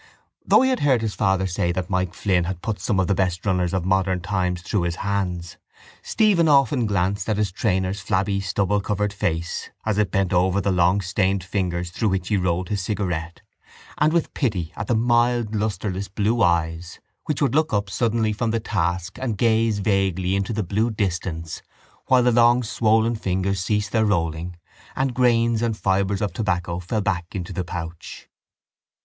Though he had heard his father say that Mike Flynn had put some of the best runners of modern times through his hands Stephen often glanced at his trainer's flabby stubble covered face, as it bent over the long stained fingers through which he rolled his cigarette, and with pity at the mild lustreless blue eyes which would look up suddenly from the task and gaze vaguely into the blue distance while the long swollen fingers ceased their rolling and grains and fibres of tobacco fell back into the pouch.